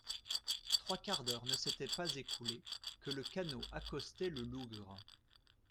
Trois quarts d'heure ne s'étaient pas écoulés que le canot accostait le lougre.